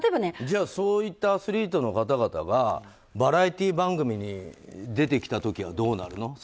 じゃあそういったアスリートの方々がバラエティー番組に出てきた時はどうなるの？